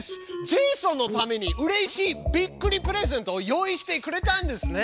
ジェイソンのためにうれしいびっくりプレゼントを用意してくれたんですね！